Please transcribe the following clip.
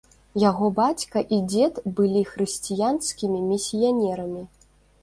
Яго бацька і дзед былі хрысціянскімі місіянерамі.